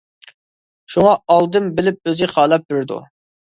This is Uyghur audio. شۇڭا ئالدىن بىلىپ ئۆزى خالاپ بېرىدۇ.